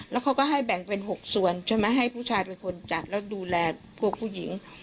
แล้วเขาก็ให้แบ่งเป็น๖ส่วนใช่ไหมให้ผู้ชายเป็นคนจัดแล้วดูแลพวกผู้หญิง